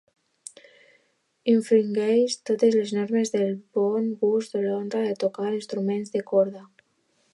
Infringeix totes les normes del bon gust a l'hora de tocar instruments de corda.